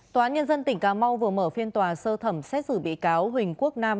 tòa án nhân dân tỉnh cà mau vừa mở phiên tòa sơ thẩm xét xử bị cáo huỳnh quốc nam